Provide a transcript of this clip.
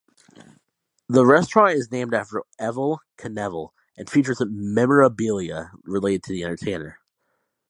The restaurant is named after Evel Knievel and features memorabilia related to the entertainer.